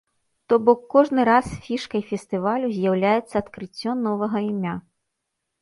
То бок, кожны раз фішкай фестывалю з'яўляецца адкрыццё новага імя.